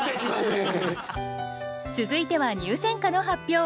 続いては入選歌の発表。